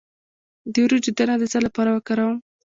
د وریجو دانه د څه لپاره وکاروم؟